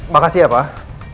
makasih ya pak